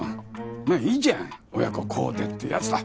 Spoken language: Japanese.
まあいいじゃん親子コーデってやつだ。